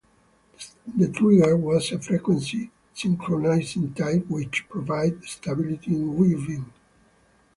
The trigger was a frequency synchronizing type which provided stability in viewing.